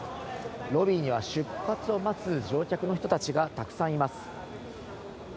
ロビーには出発を待つ乗客の人たちがたくさんいます。